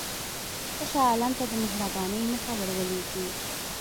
که شاه عالم ته د مهربانۍ نښه ورولېږې.